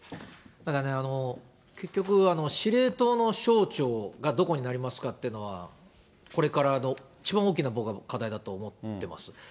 だからね、結局、司令塔の省庁がどこになりますかっていうのは、これからの一番大きな課題だと僕は思ってます。